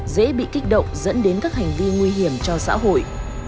dễ bị kích động dẫn đến các hành vi nguy hiểm cho xã hội